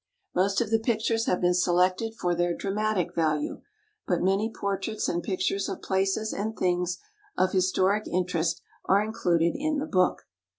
Most of the pictures have been selected for their dramatic value, but many portraits and pictures of places and things of historic interest are included in the book.